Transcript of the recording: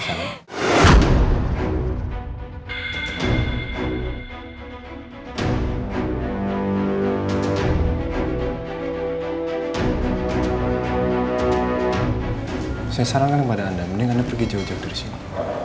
saya sarankan kepada anda mending anda pergi jauh jauh dari sini